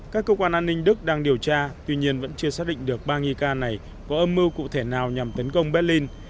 các cơ quan an ninh đức đang điều tra tuy nhiên vẫn chưa xác định được ba nghi can này có âm mưu cụ thể nào nhằm tấn công berlin